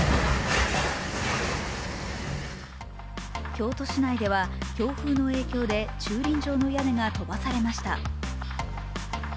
京都市内では強風の影響で駐輪場の屋根が飛ばされました。